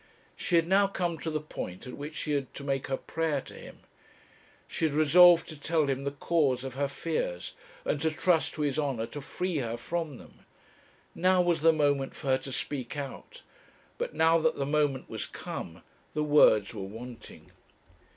She had now come to the point at which she had to make her prayer to him. She had resolved to tell him the cause of her fears, and to trust to his honour to free her from them. Now was the moment for her to speak out; but now that the moment was come, the words were wanting.